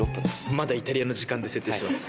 まだ、イタリアの時間で設定してます。